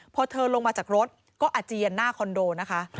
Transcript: พอเธอลงมาจากรถก็อาเจียนหน้าคอนโดนะคะ